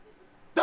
誰！